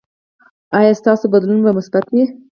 ایا ستاسو بدلون به مثبت وي؟